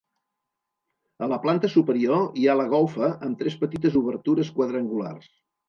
A la planta superior hi ha la golfa amb tres petites obertures quadrangulars.